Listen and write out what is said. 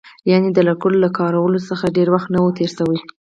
یعنې د لکړو له کارولو څخه ډېر وخت نه و تېر شوی.